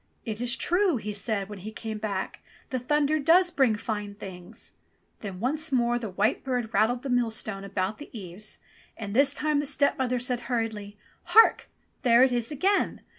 "It is true," he said when he came back. ''The thunder does bring fine things !" Then once more the white bird rattled the millstone about the eaves, and this time the stepmother said hurriedly, "Hark ! there it is again!